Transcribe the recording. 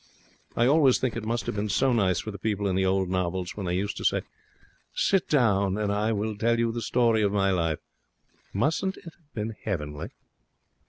I always think it must have been so nice for the people in the old novels, when they used to say: "Sit down and I will tell you the story of my life." Mustn't it have been heavenly?'